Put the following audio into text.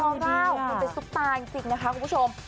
โอ้ยพอบ้าวมันเป็นสุปราณ์จริงนะคะคุณผู้ชม